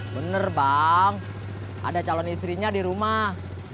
bener bang ada calon istrinya di rumah